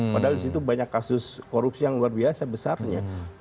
padahal disitu banyak kasus korupsi yang luar biasa besarnya